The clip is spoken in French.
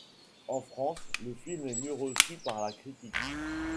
En France, le film est mieux reçu par la critique.